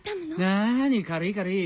なに軽い軽い。